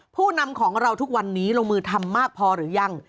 ผู้นำของเราทุกวันนี้ลงมือทำมากพอหรือยัง